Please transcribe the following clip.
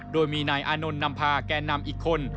โดยมีนายอานนท์นำพาแก่นำอีกคน